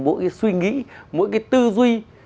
mỗi cái suy nghĩ mỗi cái tư duy